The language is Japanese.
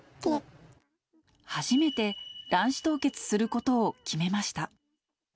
初めて卵子凍結することを決めました。